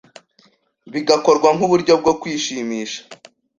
bigakorwa nk’uburyo bwo kwishimisha